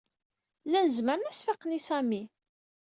Llan zemren ad as-faqen i Sami.